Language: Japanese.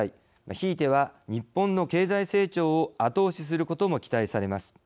ひいては、日本の経済成長を後押しすることも期待されます。